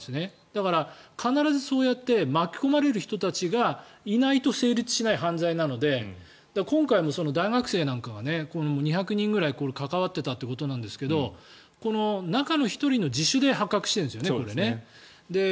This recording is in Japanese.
だから必ずそうやって巻き込まれる人たちがいないと成立しない犯罪なので今回も大学生なんかが２００人くらい関わっていたということですがこの中の１人の自首で発覚しているんですよね。